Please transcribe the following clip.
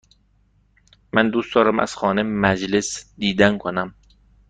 من دوست دارم از خانه مجلس دیدن کنم.